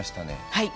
はい。